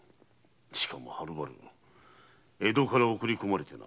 しかもはるばる江戸から送り込まれてな。